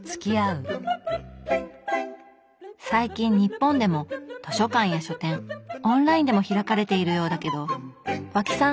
最近日本でも図書館や書店オンラインでも開かれているようだけど和氣さん